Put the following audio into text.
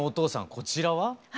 こちらは？